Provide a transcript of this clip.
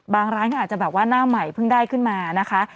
ร้านก็อาจจะแบบว่าหน้าใหม่เพิ่งได้ขึ้นมานะคะ